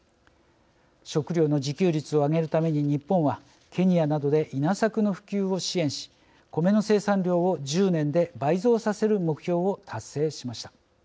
食料の自給率を上げるために日本はケニアなどで稲作の普及を支援しコメの生産量を１０年で倍増させる目標を達成しました。